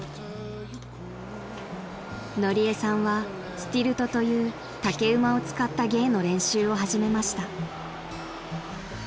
［のりえさんはスティルトという竹馬を使った芸の練習を始めました］